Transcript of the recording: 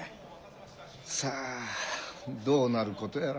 さあどうなることやら。